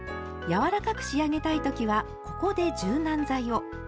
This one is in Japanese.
柔らかく仕上げたい時はここで柔軟剤を。